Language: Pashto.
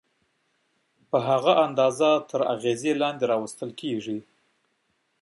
په هغه اندازه تر اغېزې لاندې راوستل کېږي.